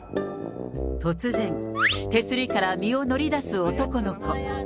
突然、手すりから身を乗り出す男の子。